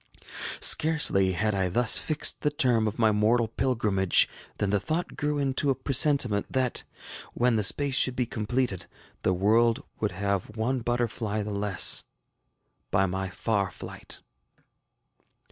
Scarcely had I thus fixed the term of my mortal pilgrimage, than the thought grew into a presentiment that, when the space should be completed, the world would have one butterfly the less, by my far flight.